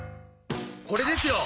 これですよ！